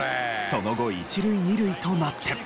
その後１塁２塁となって。